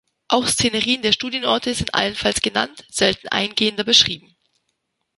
Auch Szenerien der Studienorte sind allenfalls genannt, selten eingehender beschrieben.